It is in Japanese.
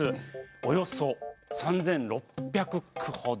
およそ３，６００句ほど。